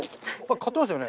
買ってましたよね？